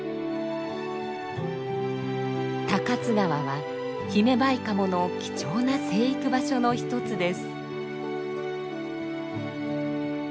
高津川はヒメバイカモの貴重な生育場所の一つです。